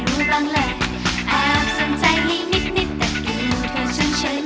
คนธรรมดาอยู่ชั้นนั้นเธอคงจะไม่สนใจ